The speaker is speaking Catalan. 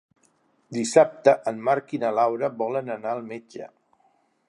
Dissabte en Marc i na Laura volen anar al metge.